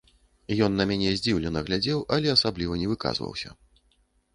Ён на мяне здзіўлена глядзеў, але асабліва не выказваўся.